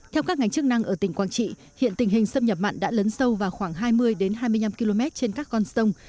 theo các ngành chức năng ở tỉnh quang trị hiện tình hình xâm nhập mặn đã lớn sâu vào khoảng hai mươi hai mươi năm km trên các con sông